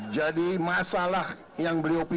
jadi masalah yang beliau pikirkan